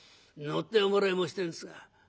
乗ってもらいもしてるんですが」。